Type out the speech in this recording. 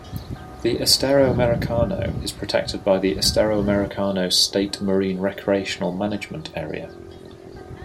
The Estero Americano is protected by the Estero Americano State Marine Recreational Management Area.